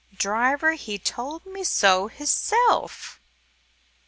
Driver he told me so hisself."